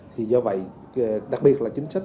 thì do vậy đặc biệt là chính sách